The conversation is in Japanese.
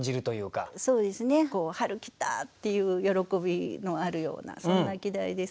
「春来た！」っていう喜びのあるようなそんな季題です。